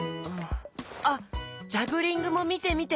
あっジャグリングもみてみて。